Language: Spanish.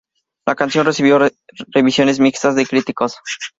La canción recibió revisiones mixtas de críticos.